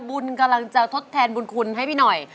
บุญกำลังจะทดแทนบุญคุณให้พี่หน่อย